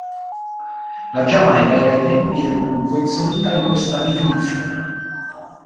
La Giamaica era ai tempi del gruppo inserita in questa definizione.